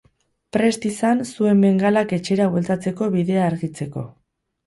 Prest izan zuen bengalak etxera bueltatzeko bidea argitzeko.